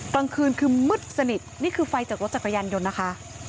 กลางคืนคือมืดสนิทนี่คือไฟจากรถจักรยานยนต์นะคะ